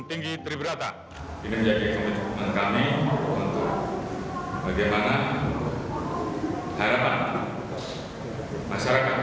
ini menjadi komitmen kami untuk bagaimana harapan masyarakat